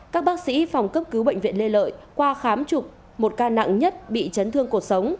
các bác sĩ phòng cấp cứu bệnh viện lê lợi qua khám chụp một ca nặng nhất bị chấn thương cuộc sống